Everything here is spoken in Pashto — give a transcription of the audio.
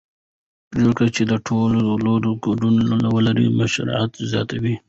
پرېکړې چې د ټولو ډلو ګډون ولري مشروعیت زیاتوي